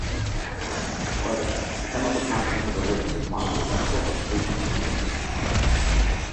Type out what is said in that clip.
However, the chemical content of the lake is monitored at several stations around it.